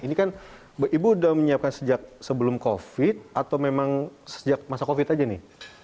ini kan ibu sudah menyiapkan sejak sebelum covid atau memang sejak masa covid aja nih